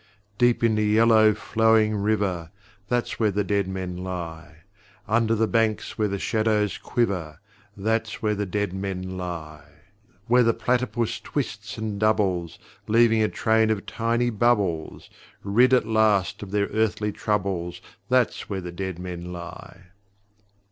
Deep in the yellow, flowing river That's where the dead men lie! Under the banks where the shadows quiver That's where the dead men he! Where the platypus twists and doubles, Leaving a train of tiny bubbles. Rid at last of their earthly troubles That's where the dead men lie!